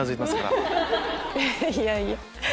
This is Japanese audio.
いやいや。